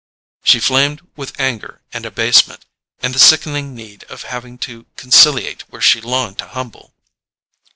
She flamed with anger and abasement, and the sickening need of having to conciliate where she longed to humble.